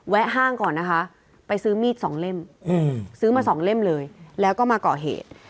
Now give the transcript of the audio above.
ห้างก่อนนะคะไปซื้อมีดสองเล่มซื้อมา๒เล่มเลยแล้วก็มาก่อเหตุ